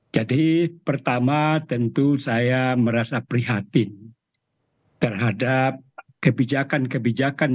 jadi pertama tentu saya merasa prihatin terhadap kebijakan kebijakan